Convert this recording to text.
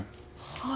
はい。